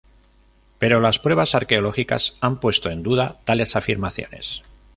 Pero las pruebas arqueológicas han puesto en duda tales afirmaciones.